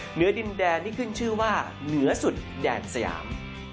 เหนือดินแดนที่ขึ้นชื่อว่าเหนือสุดแดนสยาม